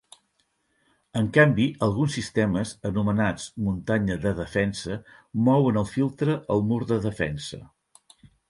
En canvi, alguns sistemes, anomenats "muntanya de defensa", mouen el filtre al mur de defensa.